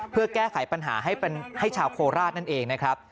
เพื่อแก้ไขปัญหาให้ชาวโคราชนั่นเองนะครับ